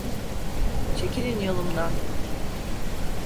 Çekilin yolumdan!